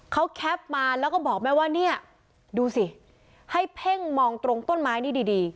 เขาแคปมาแล้วก็บอกแม่ว่าเนี่ยดูสิให้เพ่งมองตรงต้นไม้นี่ดีดี